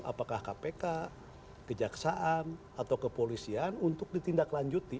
apakah kpk kejaksaan atau kepolisian untuk ditindaklanjuti